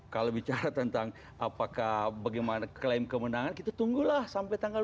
kalau bicara tentang apakah bagaimana klaim kemenangan kita tunggulah sampai tanggal dua puluh